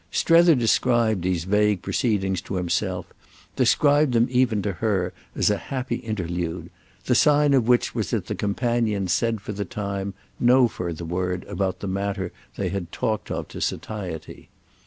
Strether described these vague proceedings to himself, described them even to her, as a happy interlude; the sign of which was that the companions said for the time no further word about the matter they had talked of to satiety.